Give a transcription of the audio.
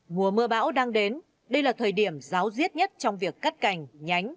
mùa mưa bão đang đến đây là thời điểm ráo riết nhất trong việc cắt cành nhánh